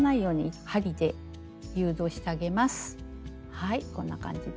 はいこんな感じで。